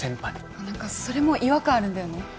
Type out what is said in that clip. ああ何かそれも違和感あるんだよね。